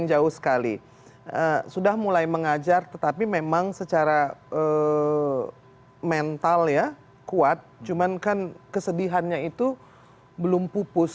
jauh sekali sudah mulai mengajar tetapi memang secara mengenario kuat cuman kan kesedihannya itu